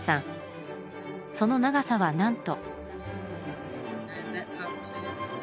その長さはなんと！